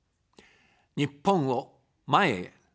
日本を、前へ。